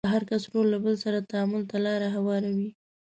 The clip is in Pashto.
د هر کس رول له بل سره تعامل ته لار هواروي.